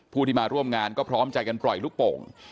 ผู้ที่มาร่วมงานก็พร้อมใจกันปล่อยลูกโป่ง